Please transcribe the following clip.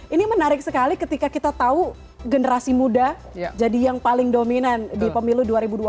ini menarik sekali ketika kita tahu generasi muda jadi yang paling dominan di pemilu dua ribu dua puluh